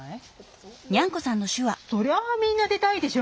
そりゃみんな出たいでしょ。